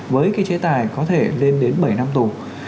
với cái chế tài có thể lên đến bảy năm tù